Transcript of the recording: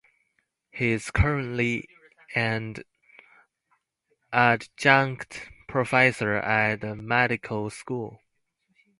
He is currently and Adjunct Professor at this medical school.